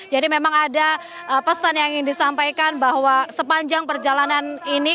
jadi memang ada pesan yang ingin disampaikan bahwa sepanjang perjalanan ini